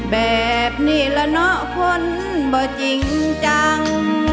แบบนี้ละเนาะคนบ่จริงจัง